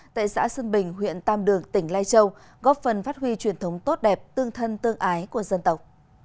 tại xã sơn bình huyện tam đường tỉnh lai châu góp phần phát huy truyền thống tốt đẹp tương thân tương ái của dân tộc